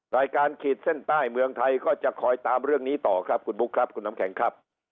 ขีดเส้นใต้เมืองไทยก็จะคอยตามเรื่องนี้ต่อครับคุณบุ๊คครับคุณน้ำแข็งครับ